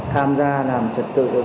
tham gia làm trật tự